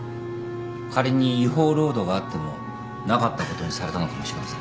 仮に違法労働があってもなかったことにされたのかもしれません。